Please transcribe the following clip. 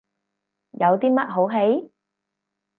有啲乜好戯？